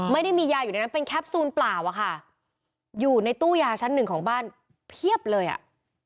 ไม่ได้มียาอยู่ในนั้นเป็นแคปซูลเปล่าอะค่ะอยู่ในตู้ยาชั้นหนึ่งของบ้านเพียบเลยอ่ะ